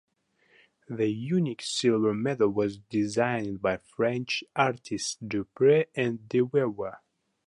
The unique silver medal was designed by French artists Du Pre and De Vivier.